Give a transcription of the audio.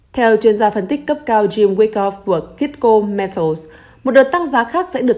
theo chuyên gia phân tích cấp cao jim wyckoff của kitco metals một đợt tăng giá khác sẽ được